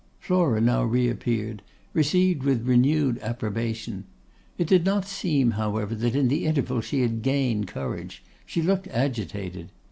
Flora now re appeared, received with renewed approbation. It did not seem, however, that in the interval she had gained courage; she looked agitated.